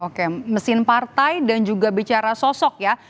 oke mesin partai dan juga bicara sosok ya